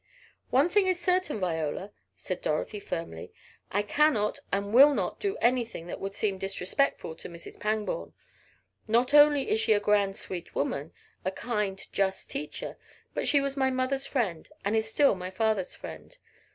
"One thing is certain, Viola," said Dorothy firmly, "I cannot and will not do anything that would seem disrespectful to Mrs. Pangborn. Not only is she a grand, sweet woman, a kind, just teacher, but she was my mother's friend and is still my father's friend.